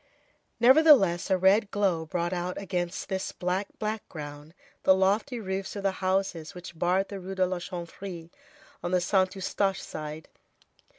Nevertheless, a red glow brought out against this black background the lofty roofs of the houses which barred the Rue de la Chanvrerie on the Saint Eustache side.